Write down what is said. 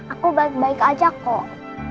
aku baik baik aja kok